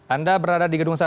anda berada di gedung satu